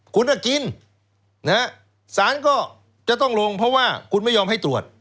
คุณก็กินสารก็จะต้องลงเพราะว่าคุณไม่ยอมให้ตรวจ